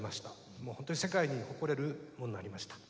もうほんとに世界に誇れるものになりました。